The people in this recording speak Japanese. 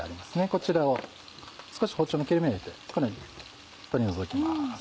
こちらを少し包丁の切れ目入れてこのように取り除きます。